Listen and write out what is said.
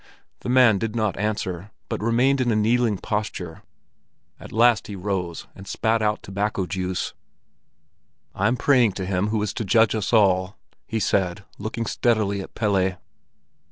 The man did not answer, but remained in a kneeling posture. At last he rose, and spat out tobacco juice. "I'm praying to Him Who is to judge us all," he said, looking steadily at Pelle.